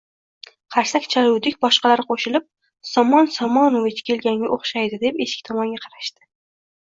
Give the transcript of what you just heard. Qarsak chaluvdik boshqalar qo`shilib, Somon Somonovich kelganga o`xshaydi deb eshik tomonga qarashdi